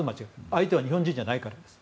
相手は日本人じゃないからです。